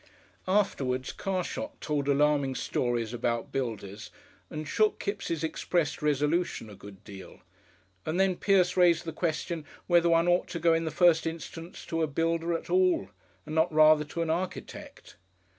Afterwards Carshot told alarming stories about builders, and shook Kipps' expressed resolution a good deal, and then Pierce raised the question whether one ought to go in the first instance to a builder at all and not rather to an architect.